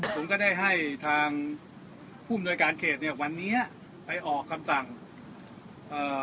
ผมก็ได้ให้ทางผู้อำนวยการเขตเนี้ยวันนี้ไปออกคำสั่งเอ่อ